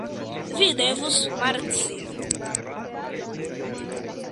Vi devos marŝi.